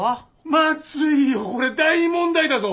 まずいよこれ大問題だぞ。